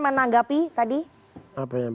menanggapi tadi apa yang